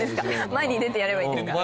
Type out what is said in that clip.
前に出てやればいいですか？